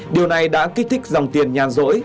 điều này đã kích thích dòng tiền nhà rỗi